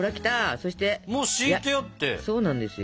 そうなんですよ。